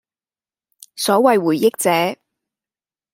所謂回憶者，